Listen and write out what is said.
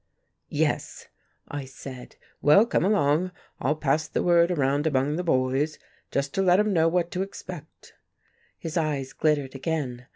"Yes," I said. "Well, come along. I'll pass the word around among the boys, just to let 'em know what to expect." His eyes glittered again.